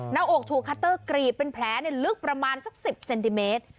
หน้าอกถูกคัตเตอร์กรีดเป็นแผลลึกประมาณสัก๑๐เซนติเมตร